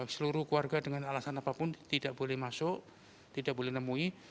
seluruh keluarga dengan alasan apapun tidak boleh masuk tidak boleh nemui